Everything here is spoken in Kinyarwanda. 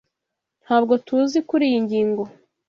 Ntabwo TUZI kuriyi ngingo.